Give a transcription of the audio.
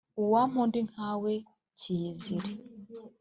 uwampa undi nkawe cyiyizire